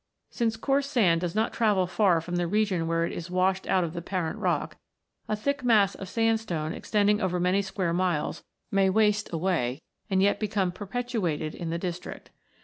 Since coarse sand does not travel far from the region where it is washed out of the parent rock, a thick mass of sand stone extending over many square miles may waste away, and yet become perpetuated in the district.